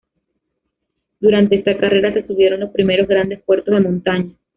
Durante esta carrera se subieron los primeros grandes puertos de montaña.